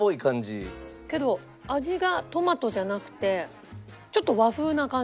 けど味がトマトじゃなくてちょっと和風な感じ。